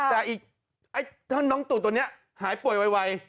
แต่อีกถ้าน้องตูดตัวนี้หายป่วยไว